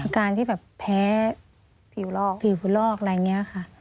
อาการที่แบบแพ้ผิวลอกอะไรอย่างนี้ค่ะ